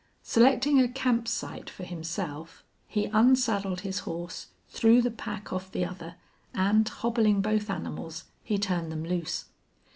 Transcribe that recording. Selecting a camp site for himself, he unsaddled his horse, threw the pack off the other, and, hobbling both animals, he turned them loose.